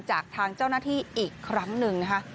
จากทางเจ้าหน้าที่อีกครั้งหนึ่งนะคะ